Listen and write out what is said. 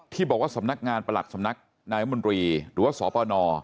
ที่บอกว่าสำนักงานประหลัดสำนักนายมนตรีหรือว่าสปน